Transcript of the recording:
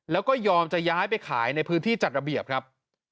แล้วก็ยอมจะย้ายไปขายในพื้นที่จัดระเบียบครับ